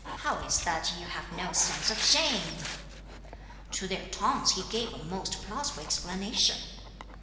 How is that you have no sense of shame?' To their taunts he gave a most plausible explanation.